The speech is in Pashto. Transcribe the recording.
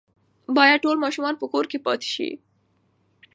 باید ټول ماشومان په کور کې پاتې شي.